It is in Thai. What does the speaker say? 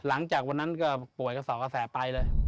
หลังจากนั้นก็ป่วยกระสอบกระแสไปเลย